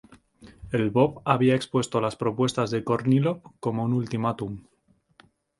Lvov había expuesto las propuestas de Kornílov como un ultimátum.